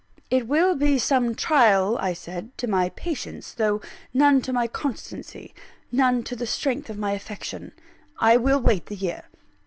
"It will be some trial," I said, "to my patience, though none to my constancy, none to the strength of my affection I will wait the year."